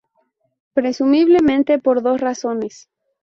Presumiblemente por dos razones.